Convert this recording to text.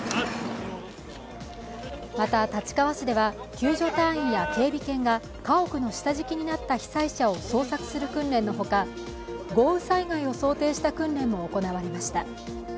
また立川市では救助隊員や警備犬が家屋の下敷きになった被災者を捜索する訓練のほか、豪雨災害を想定した訓練も行われました。